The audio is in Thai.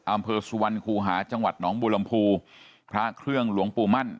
อำเภอสุวรรณคูหาจังหวัดหนองบุรมภูพระเครื่องหลวงปู่มั่น